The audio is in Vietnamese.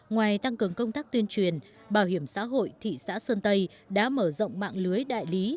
ngoài tăng cường công tác tuyên truyền bảo hiểm xã hội thị xã sơn tây đã mở rộng mạng lưới đại lý